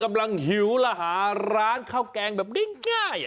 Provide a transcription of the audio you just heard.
กำลังหิวแล้วหาร้านข้าวแกงแบบนี้ง่าย